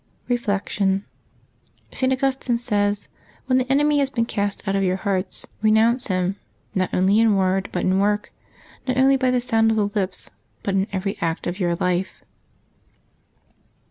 Reflection. — St. Augustine says: "When the enemy has been cast out of your hearts, renounce him, not only in word, but in w^ork; not only by the sound of the lips, but in every act of your life.''